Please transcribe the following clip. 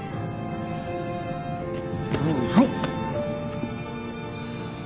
はいはい。